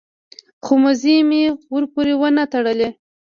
خو مزي مې ورپورې ونه تړل.